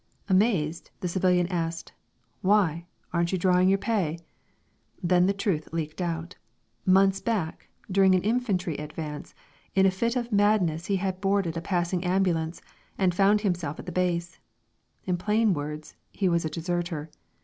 Amazed, the civilian asked, "Why? Aren't you drawing your pay?" Then the truth leaked out. Months back, during an infantry advance, in a fit of madness he had boarded a passing ambulance and found himself at the base. In plain words, he was a deserter.